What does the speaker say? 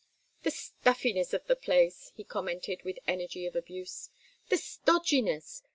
"The stuffiness of the place!" he commented, with energy of abuse. "The stodginess.